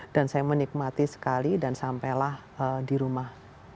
dan saya menikmati sekali dan sampelah di rumah